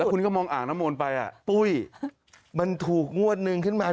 คุณก็มองอ่างน้ำมนต์ไปปุ้ยมันถูกงวดนึงขึ้นมา